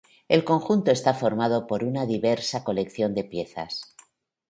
El conjunto está formado por una diversa colección de piezas.